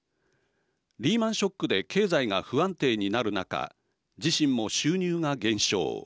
リーマンショックで経済が不安定になる中自身も収入が減少。